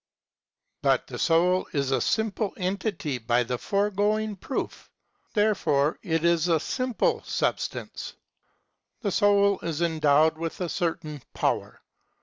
But the soul is a simple entity by the foregoing proof. There fore it is a simple substance. § 53. The soul is endowed with a certain power.